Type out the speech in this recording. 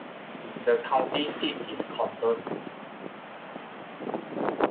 The county seat is Condon.